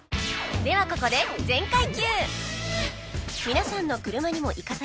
ではここで「全開 Ｑ」